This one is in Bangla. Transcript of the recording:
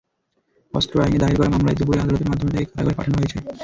অস্ত্র আইনে দায়ের করা মামলায় দুপুরে আদালতের মাধ্যমে তাঁকে কারাগারে পাঠানো হয়েছে।